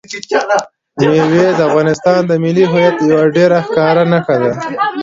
مېوې د افغانستان د ملي هویت یوه ډېره ښکاره نښه ده.